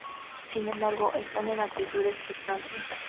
Sin embargo, están en actitud expectante.